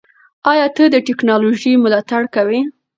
ایا ته د ټیکنالوژۍ ملاتړ کوې؟